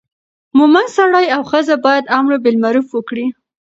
مومن سړی او ښځه باید امر بالمعروف وکړي.